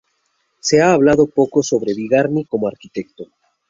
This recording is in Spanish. Se ha hablado poco sobre Bigarny como arquitecto.